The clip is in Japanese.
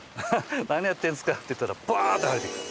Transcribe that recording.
「何やってるんですか？」って言ったらバーッと晴れてきた。